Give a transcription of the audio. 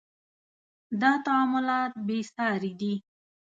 • دا تعاملات بې ساري دي.